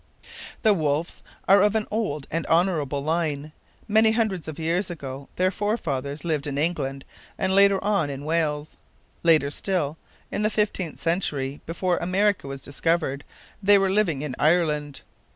The Wolfes are of an old and honourable line. Many hundreds of years ago their forefathers lived in England and later on in Wales. Later still, in the fifteenth century, before America was discovered, they were living in Ireland.